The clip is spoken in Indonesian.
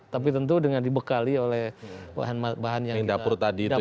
tapi tentu dengan dibekali oleh bahan bahan yang kita dapur